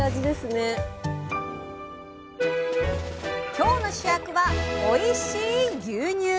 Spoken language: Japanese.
今日の主役はおいしい牛乳。